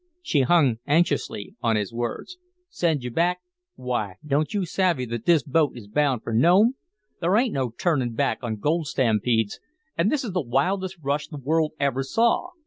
She hung anxiously on his words. "Send you back? Why, don't you savvy that this boat is bound for Nome? There ain't no turnin' back on gold stampedes, and this is the wildest rush the world ever saw.